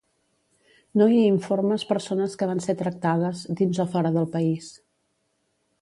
No hi informes persones que van ser tractades, dins o fora del país.